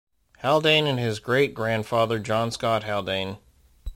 Haldane and his great-grandfather John Scott Haldane.